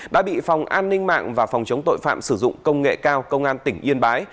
đã bị phòng an ninh mạng và phòng chống tội phạm sử dụng công nghệ cao công an tỉnh yên bái